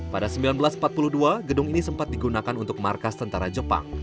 pada seribu sembilan ratus empat puluh dua gedung ini sempat digunakan untuk markas tentara jepang